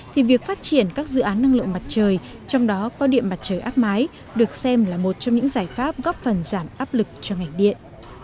thì việc phát triển các dự án năng lượng mặt trời trong đó có điện mặt trời áp mái được xem là một trong những giải pháp góp phần giảm áp lực cho ngành điện